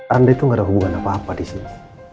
anda itu gak ada hubungan apa apa di sini